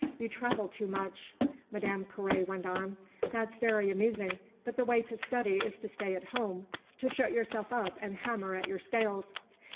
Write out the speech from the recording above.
You travel too much," Madame Carré went on; "that's very amusing, but the way to study is to stay at home, to shut yourself up and hammer at your scales."